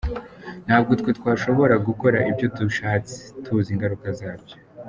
Ntabwo twe twashobora gukora ibyo dushatse, tuzi ingaruka zabyo.